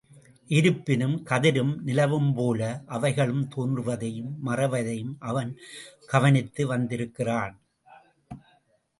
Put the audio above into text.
இருப்பினும், கதிரும் நிலவும்போல அவைகளும் தோன்றுவதையும் மறைவதையும் அவன் கவனித்து வந்திருக்கிறான்.